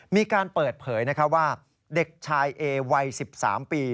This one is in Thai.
มีการเปิดเผยว่าเด็กชายเอวัย๑๓ปี